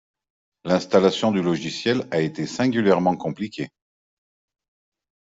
L'installation du logiciel a été singulièrement compliquée